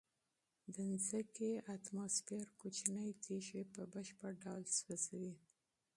د ځمکې اتموسفیر کوچنۍ تیږې په بشپړ ډول سوځوي.